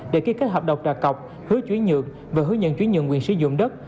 để ký kết hợp đồng đạt cọc hứa chuyển nhượng và hứa nhận chuyển nhượng quyền sử dụng đất